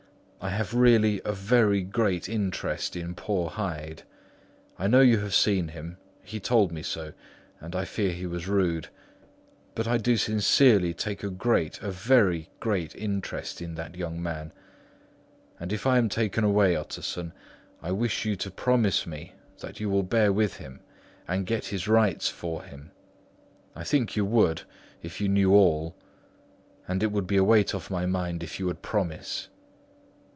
I have really a very great interest in poor Hyde. I know you have seen him; he told me so; and I fear he was rude. But I do sincerely take a great, a very great interest in that young man; and if I am taken away, Utterson, I wish you to promise me that you will bear with him and get his rights for him. I think you would, if you knew all; and it would be a weight off my mind if you would promise."